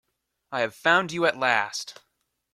I have found you at last!